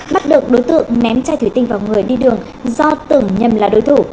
bắt được đối tượng ném chai thủy tinh vào người đi đường do tưởng nhầm là đối thủ